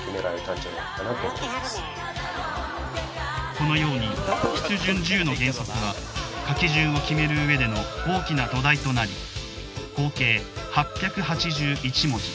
このように「筆順十の原則」は書き順を決めるうえでの大きな土台となり合計８８１文字。